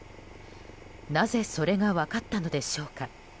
なぜ、それが分かったのでしょうか。